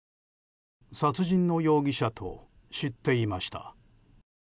殺人の容疑者と知っていました。